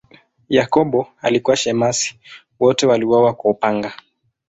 Yakobo alikuwa shemasi, wote waliuawa kwa upanga.